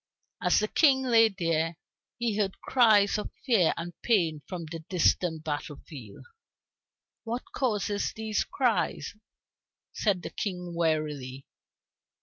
As the King lay there, he heard cries of fear and pain from the distant battle field. "What causes these cries?" said the King wearily.